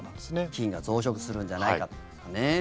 菌が増殖するんじゃないかと。